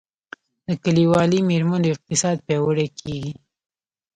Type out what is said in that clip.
د کلیوالي میرمنو اقتصاد پیاوړی کیږي